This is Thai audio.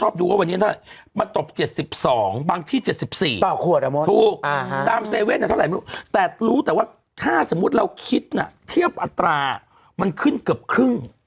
บางที่๗๒บางที่๗๔ต่อขวดถูกตามเซเวสแต่รู้แต่ว่าถ้าสมมุติเราคิดน่ะเทียบอัตรามันขึ้นเกือบครึ่ง